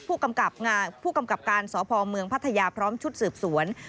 ผู้กำกับการสพเมืองพัทยาพร้อมชุดสืบสวน